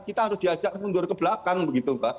kita harus diajak mundur ke belakang begitu mbak